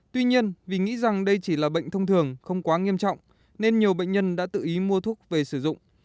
tuy nhiên vì nghĩ rằng đây chỉ là bệnh thông thường không quá nghiêm trọng nên nhiều bệnh nhân đã tự ý mua thuốc về sử dụng